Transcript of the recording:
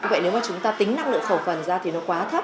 vậy nếu mà chúng ta tính năng lượng khẩu phần ra thì nó quá thấp